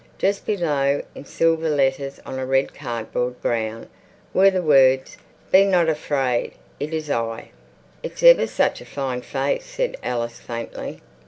Just below, in silver letters on a red cardboard ground, were the words, "Be not afraid, it is I." "It's ever such a fine face," said Alice faintly.